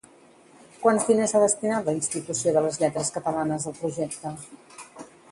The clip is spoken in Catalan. Quants diners ha destinat la Institució de les Lletres Catalanes al projecte?